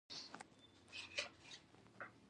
الوتکه د عمان پلازمینې ته ورسېده.